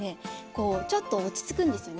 こうちょっと落ち着くんですよね。